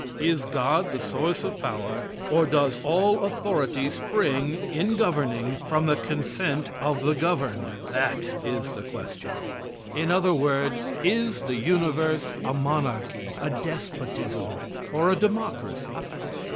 Is God the source of power, or does all authority spring, in governing, from the consent of the governed? That is the question. In other words, is the universe a monarchy, a despotism, or a democracy?